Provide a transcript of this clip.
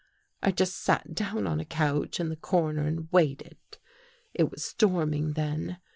" I just sat down on a couch in the corner and waited. It was storming then.